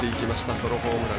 ソロホームラン。